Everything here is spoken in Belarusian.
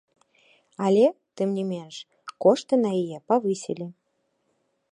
Але, тым не менш, кошты на яе павысілі.